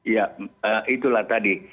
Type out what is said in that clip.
ya itulah tadi